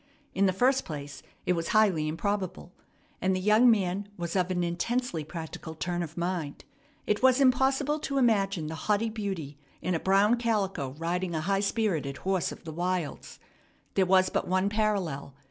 In the first place, it was highly improbable, and the young man was of an intensely practical turn of mind. It was impossible to imagine the haughty beauty in a brown calico riding a high spirited horse of the wilds. There was but one parallel.